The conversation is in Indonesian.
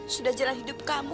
sudah jalan hidup kamu